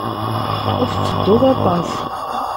Ur tettedduḍ aṭas.